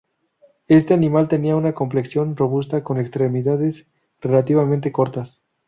Este animal tenía una complexión robusta con extremidades relativamente cortas.